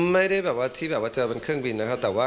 ไม่ได้แบบว่าที่แบบว่าเจอเป็นเครื่องบินนะครับ